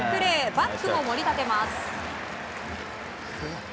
バックも盛り立てます。